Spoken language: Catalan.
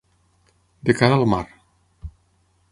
De cara al mar.